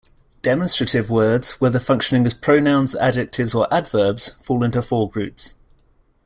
Demonstrative words, whether functioning as pronouns, adjectives or adverbs, fall into four groups.